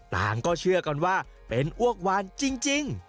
ต่างก็เชื่อกันว่าเป็นอ้วกวานจริง